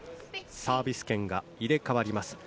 サービス権が入れ替わります。